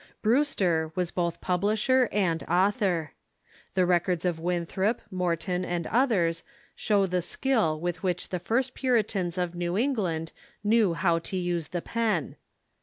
Brewster was both })ublisher and author. The records of Winthrop, Morton, and others show the skill with which the first Puritans of New England knew how to use the pen.